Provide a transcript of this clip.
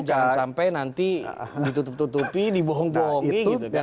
jangan sampai nanti ditutup tutupi dibohong bohongi gitu kan